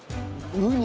ウニ。